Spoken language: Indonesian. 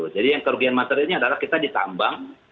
jadi yang kerugian materialnya adalah kita ditambang